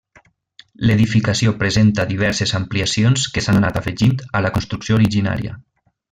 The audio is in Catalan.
L'edificació presenta diverses ampliacions que s'han anat afegint a la construcció originària.